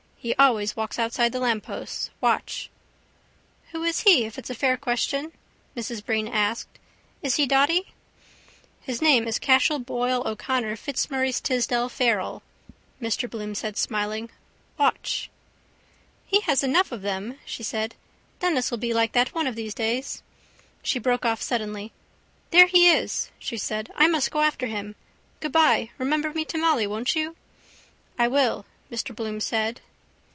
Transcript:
He always walks outside the lampposts. Watch! —Who is he if it's a fair question? Mrs Breen asked. Is he dotty? —His name is Cashel Boyle O'Connor Fitzmaurice Tisdall Farrell, Mr Bloom said smiling. Watch! —He has enough of them, she said. Denis will be like that one of these days. She broke off suddenly. —There he is, she said. I must go after him. Goodbye. Remember me to Molly, won't you? —I will, Mr Bloom said.